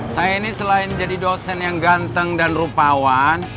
saya ini selain jadi dosen yang ganteng dan rupawan